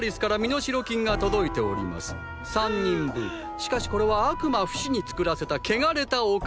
しかしこれは悪魔フシに作らせた汚れたお金。